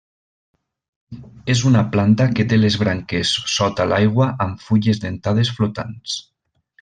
És una planta que té les branques sota l'aigua amb fulles dentades flotants.